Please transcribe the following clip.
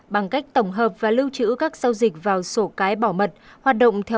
bằng cách tổng hợp và lưu trữ các giao dịch vào sổ cái bỏ mật